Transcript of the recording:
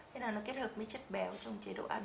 thế là nó kết hợp với chất béo trong chế độ ăn